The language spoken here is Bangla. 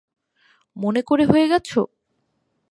মনে করে হয়ে গেছ!